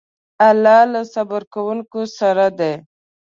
الله له صبر کوونکو سره دی.